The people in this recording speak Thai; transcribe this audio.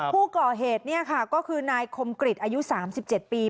ผู้ก่อเหตุก็คือนายคมกริฐอายุ๓๗ปี